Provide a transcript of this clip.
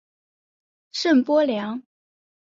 圣波良。